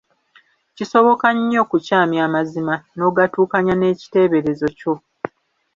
Kisoboka nnyo okukyamya amazima n’ogatuukanya n’ekiteeberezo kyo.